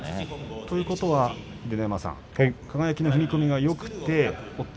ということは秀ノ山さん、輝の踏み込みがよくて押っつ